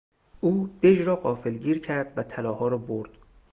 او دژ را غافلگیر کرد و طلاها را برد.